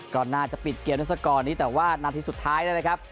ก็น่าจะปิดเกมเวลาสกรนี้แต่ว่าหน้าทีสุดท้ายนะครับ